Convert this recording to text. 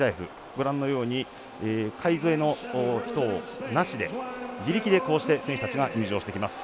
ご覧のように介添えの人なしで自力でこうして選手たちが入場してきます。